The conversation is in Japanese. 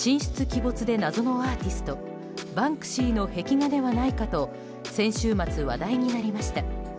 鬼没で謎のアーティストバンクシーの壁画ではないかと先週末、話題になりました。